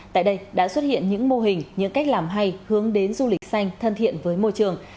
tại đây đã xuất hiện những mô hình những cách làm hay hướng đến du lịch xanh thân thiện với môi trường